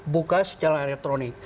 buka secara elektronik